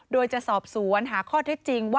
โดยจะสอบสวนหาข้อเท็จจริงว่า